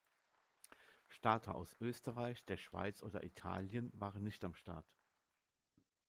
Starter aus Österreich, der Schweiz oder Italien waren nicht am Start.